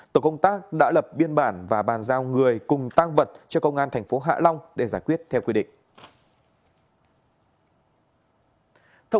tổ công tác đã lập biên bản và bàn giao người cùng tăng vật cho công an thành phố hạ long để giải quyết theo quy định